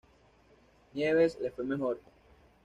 Nieves le fue mejor.